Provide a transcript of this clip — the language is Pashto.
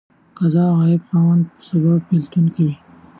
قضا د غائب خاوند په سبب بيلتون کوي.